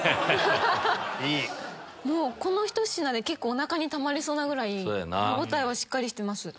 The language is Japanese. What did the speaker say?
このひと品で結構おなかにたまりそうなぐらい歯応えはしっかりしてます。